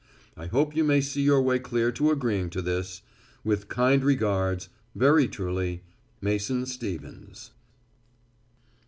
I hope you may see your way clear to agreeing to this._ "With kind regards, "_Very truly, "Mason Stevens.